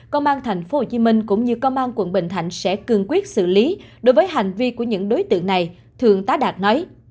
công an tp hcm cũng như công an quận bình thạnh sẽ cương quyết xử lý đối với hành vi của những đối tượng này thường tá đạt nói